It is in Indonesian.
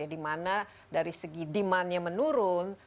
di mana dari segi demand nya menurun